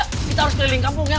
kita harus keliling kampung kan